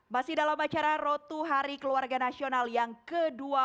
masih dalam acara rotu hari keluarga nasional yang ke dua puluh dua